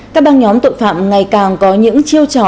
các băng nhóm tội phạm ngày càng có những chiêu trò